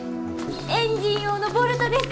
エンジン用のボルトです。